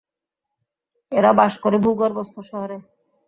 এরা বাস করে ভূগর্ভস্থ শহরে।